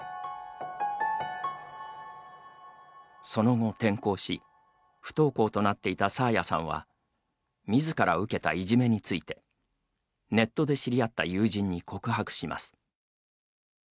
その後、転校し不登校となっていた爽彩さんはみずから受けたいじめについてネットで知り合った友人に告白します。